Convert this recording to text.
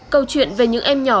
câu chuyện về những em nhỏ